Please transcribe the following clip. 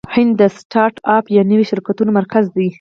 هند د سټارټ اپ یا نویو شرکتونو مرکز دی.